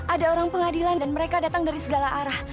ada orang pengadilan dan mereka datang dari segala arah